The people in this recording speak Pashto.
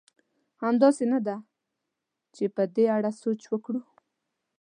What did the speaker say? همداسې نه ده؟ چې په دې اړه سوچ وکړو.